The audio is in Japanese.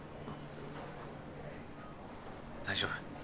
大丈夫？